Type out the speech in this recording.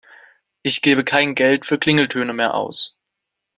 Ich gebe kein Geld für Klingeltöne mehr aus.